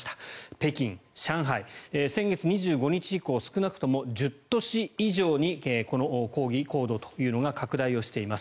北京、上海先月２５日以降少なくとも１０都市以上にこの抗議行動というのが拡大をしています。